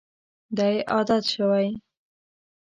دا یې عادت شوی.